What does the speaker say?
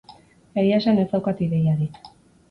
Egia esan ez daukat ideiarik.